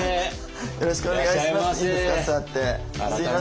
よろしくお願いします。